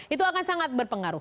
itu akan sangat berpengaruh